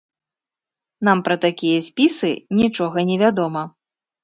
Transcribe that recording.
Нам пра такія спісы нічога невядома.